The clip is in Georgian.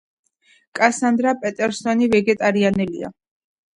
კასანდრა პეტერსონი ვეგეტარიანელია.